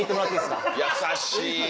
優しい。